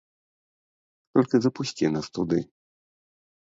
Толькі запусці нас туды!